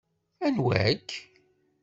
Anwa-k?